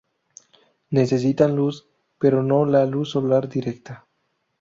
Necesitan luz, pero no la luz solar directa.